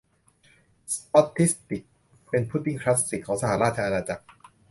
สป็อททิด ดิก เป็นพุดดิ้งคลาสสิกของสหราชอาณาจักร